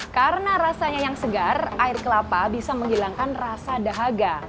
karena rasanya yang segar air kelapa bisa menghilangkan rasa dahaga